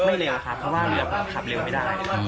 เร็วครับเพราะว่าเรือผมขับเร็วไม่ได้